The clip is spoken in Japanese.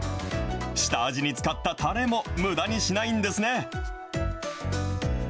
下味に使ったたれもむだにしないんですね。